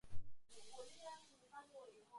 中华民国主权属于国民全体